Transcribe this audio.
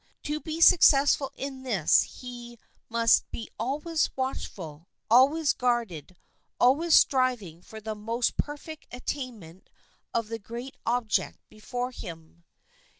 To be successful in this he must be always watchful, always guarded, always striving for the more perfect attainment of the great object before him.